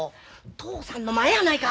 嬢さんの前やないか！